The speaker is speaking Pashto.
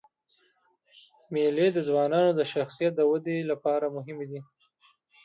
مېلې د ځوانانو د شخصیت د ودي له پاره مهمي دي.